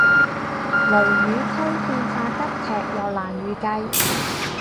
雷雨區變化急劇又難預計